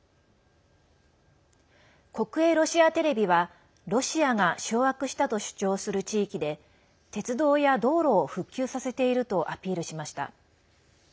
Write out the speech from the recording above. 国営ロシアテレビは、ロシアが掌握したと主張する地域で鉄道や道路を復旧させているとアピールしました。